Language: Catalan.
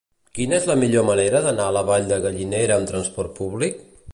Quina és la millor manera d'anar a la Vall de Gallinera amb transport públic?